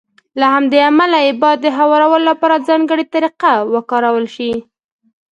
له همدې امله يې بايد د هوارولو لپاره ځانګړې طريقه وکارول شي.